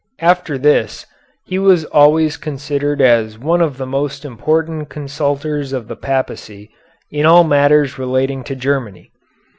After this he was always considered as one of the most important consultors of the Papacy in all matters relating to Germany.